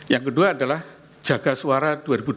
yang kedua adalah jaga suara dua ribu dua puluh